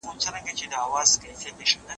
زه پرون د سبا لپاره د سوالونو جواب ورکوم!؟